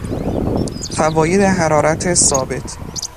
فواید حرارت ثابت